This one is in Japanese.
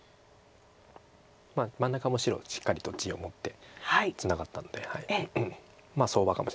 真ん中も白はしっかりと地を持ってツナがったんで相場かもしれないです。